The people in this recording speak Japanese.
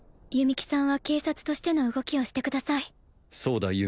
弓木さんは警察としての動きをしてくださいそうだ